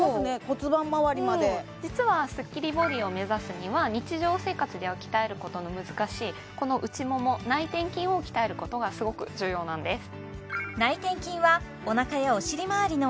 骨盤まわりまで実はスッキリボディーを目指すには日常生活では鍛えることの難しいこの内もも内転筋を鍛えることがすごく重要なんです